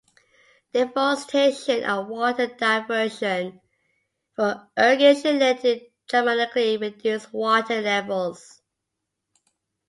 Deforestation and water diversion for irrigation led to dramatically reduced water levels.